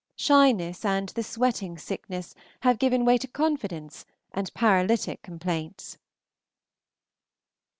Shyness and the sweating sickness have given way to confidence and paralytic complaints.